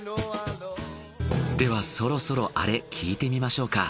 ではそろそろアレ聞いてみましょうか。